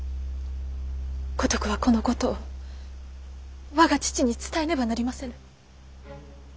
五徳はこのことを我が父に伝えねばなりませぬ。